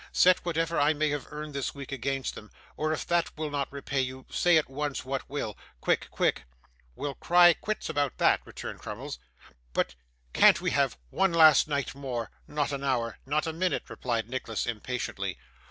'Set whatever I may have earned this week against them, or if that will not repay you, say at once what will. Quick, quick.' 'We'll cry quits about that,' returned Crummles. 'But can't we have one last night more?' 'Not an hour not a minute,' replied Nicholas, impatiently.